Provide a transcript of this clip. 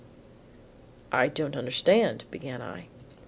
"I don't understand," began I.